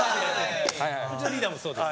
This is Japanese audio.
うちのリーダーもそうです。